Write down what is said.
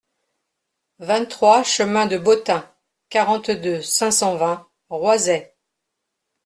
vingt-trois chemin de Beautin, quarante-deux, cinq cent vingt, Roisey